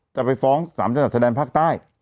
จะไปฟ้องสสมภาคไต้